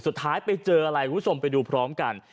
สุดท้ายไปเจออะไรคุณผู้ชมไปดูพร้อมกัน